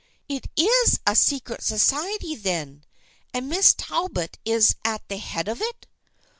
" It is a secret society, then, and Miss Talbot is at the head of it?"